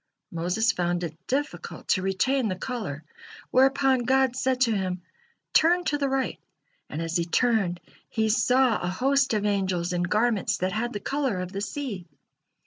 Moses found it difficult to retain the color, whereupon God said to him: "Turn to the right," and as he turned, he saw a host of angels in garments that had the color of the sea.